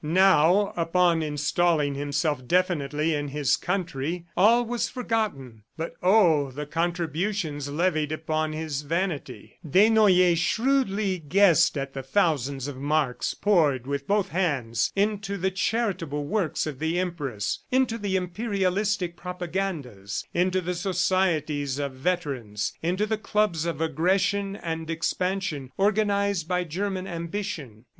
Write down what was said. Now, upon installing himself definitely in his country, all was forgotten. But, oh, the contributions levied upon his vanity ... Desnoyers shrewdly guessed at the thousands of marks poured with both hands into the charitable works of the Empress, into the imperialistic propagandas, into the societies of veterans, into the clubs of aggression and expansion organized by German ambition.